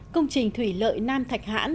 công trình thủy lợi nam thạch hãn